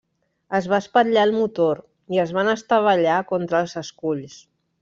Es va espatllar el motor i es van estavellar contra els esculls.